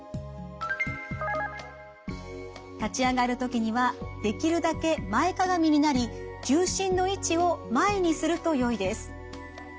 立ち上がるときにはできるだけ前屈みになり重心の位置を前にするとよいです。